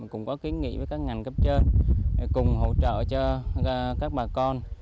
cũng có ký nghĩ với các ngành cấp chơi cùng hỗ trợ cho các bà con